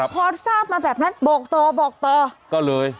พอทราบมาแบบนั้นบอกโตบอกต่อก็เลย